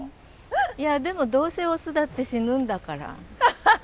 いやでもどうせオスだって死ぬんだから。